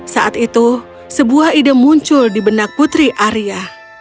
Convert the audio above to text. saat itu sebuah ide muncul di benak putri arya